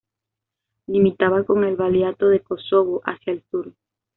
Limitaba con el Valiato de Kosovo hacia el sur.